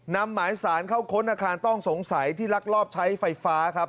นำหมายสารเข้าค้นอาคารต้องสงสัยที่ลักลอบใช้ไฟฟ้าครับ